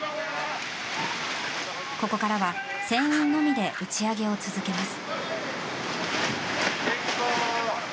ここからは船員のみで打ち上げを続けます。